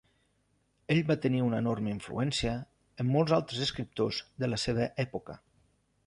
Ell va tenir una enorme influència en molts altres escriptors de la seva època.